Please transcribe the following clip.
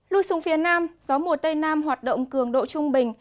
lui xuống phía nam gió mùa tây nam hoạt động cường độ trung bình